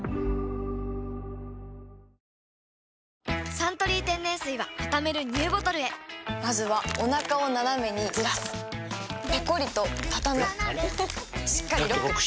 「サントリー天然水」はたためるＮＥＷボトルへまずはおなかをナナメにずらすペコリ！とたたむしっかりロック！